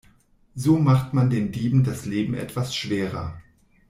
So macht man den Dieben das Leben etwas schwerer.